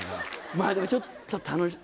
まぁでもちょっと。